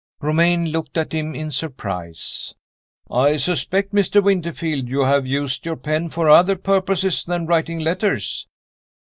Romayne looked at him in surprise. "I suspect, Mr. Winterfield, you have used your pen for other purposes than writing letters."